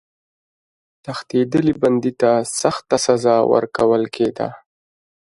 تښتېدلي بندي ته سخته سزا ورکول کېده.